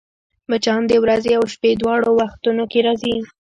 مچان د ورځي او شپې دواړو وختونو کې راځي